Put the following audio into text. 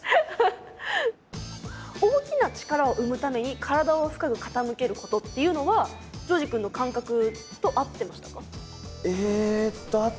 大きな力を生むために体を深く傾けることっていうのは丈司くんの感覚と合ってましたか？